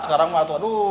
sekarang mbak tuh aduh